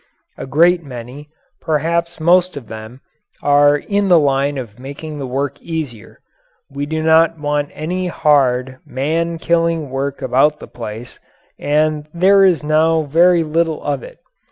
A great many perhaps most of them are in the line of making the work easier. We do not want any hard, man killing work about the place, and there is now very little of it.